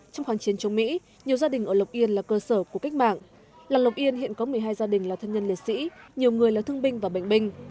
trong khoảng chiến chống mỹ nhiều gia đình ở lộc yên là cơ sở của cách mạng làng lộc yên hiện có một mươi hai gia đình là thân nhân liệt sĩ nhiều người là thương binh và bệnh binh